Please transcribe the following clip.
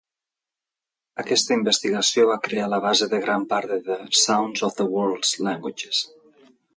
Aquesta investigació va crear la base de gran part de "The Sounds of the World's Languages".